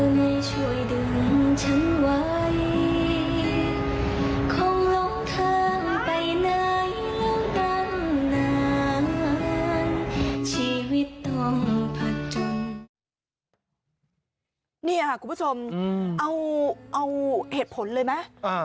นี่ค่ะคุณผู้ชมเอาเหตุผลเลยไหม